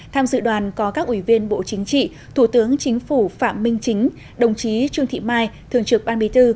tham dự đoàn có các ủy viên bộ chính trị thủ tướng chính phủ phạm minh chính đồng chí trương thị mai thường trực ban bí thư